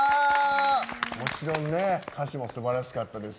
もちろん歌詞もすばらしかったですし